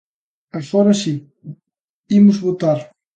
Agora si, imos votar.